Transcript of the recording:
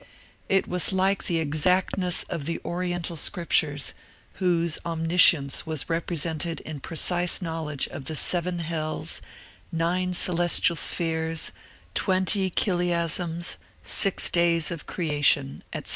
It was like the exactness of the Oriental scriptures, whose omniscience was represented in precise knowledge of the seven hells, nine celestial spheres, twenty chiliocosms, six days of creation, etc.